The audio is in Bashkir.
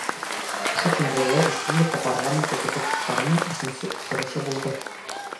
Ошо көндәрҙә республика парламенты депутаттарының өсөнсө ултырышы булды.